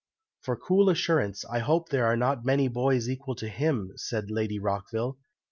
"For cool assurance, I hope there are not many boys equal to him," said Lady Rockville.